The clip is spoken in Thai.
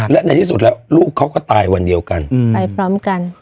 และในที่สุดแล้วลูกเขาก็ตายวันเดียวกันตายพร้อมกัน